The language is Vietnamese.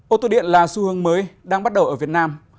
ô tô điện là xu hướng mới đang bắt đầu ở việt nam